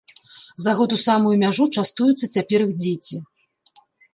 За гэту самую мяжу частуюцца цяпер іх дзеці.